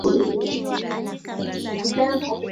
wahudumu binafsi wa afya ya wanyama